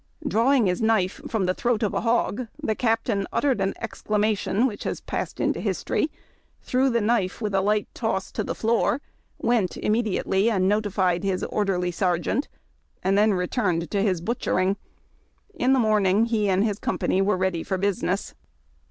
Drawing the knife from the throat of a hog, the Captain uttered an exclamation which has passed into his tory, threw the knife with a light toss to the floor, went im 30 HARD TACK AND COFFEE. mediately and notified his Orderly Sergeant, and then re turned to his butchering. In the morning he and his com pany were ready for business.